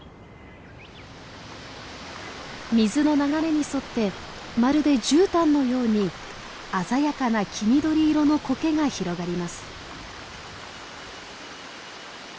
水の流れに沿ってまるでじゅうたんのように鮮やかな黄緑色のコケが広がります。